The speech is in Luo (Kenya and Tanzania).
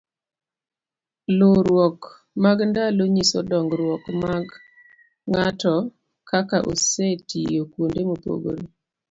luwruok mag ndalo nyiso dongruok ma ng'atokaka osetiyo kuonde mopogore